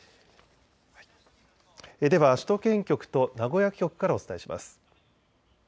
では首都圏局と名古屋局からお伝えします。